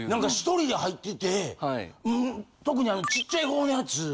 １人で入ってて特にちっちゃいほうのやつ。